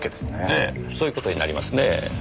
ええそういう事になりますね。